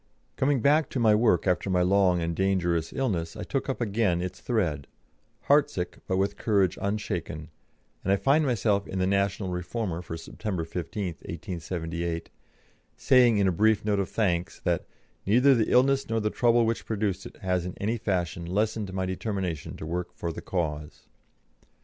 Coming back to my work after my long and dangerous illness, I took up again its thread, heartsick, but with courage unshaken, and I find myself in the National Reformer for September 15, 1878, saying in a brief note of thanks that "neither the illness nor the trouble which produced it has in any fashion lessened my determination to work for the cause."